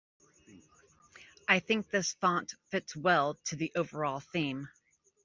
I think this font fits well to the overall theme.